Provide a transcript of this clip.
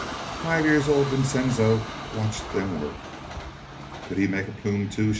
Five year old Vincenzo watched them work. "Could he make a plume, too?"